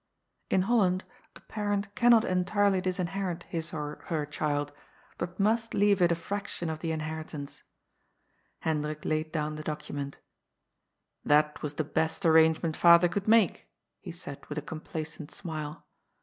In Holland a parent cannot entirely disinherit his or her child, but must leave it a fraction of the inherit ance. Hendrik laid down the document. *' That was the best arrangement father could make," he said with a complacent smile.